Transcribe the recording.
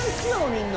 みんな。